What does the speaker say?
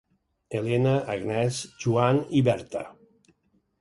Helena, Agnès, Joan i Berta.